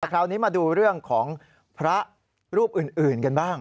แต่คราวนี้มาดูเรื่องของพระรูปอื่นกันบ้าง